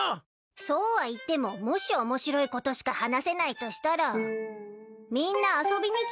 そうはいってももし面白いことしか話せないとしたらみんな遊びに来ても。